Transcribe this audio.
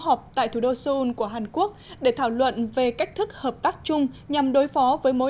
họp tại thủ đô seoul của hàn quốc để thảo luận về cách thức hợp tác chung nhằm đối phó với mối